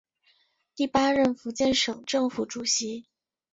第八任福建省政府主席。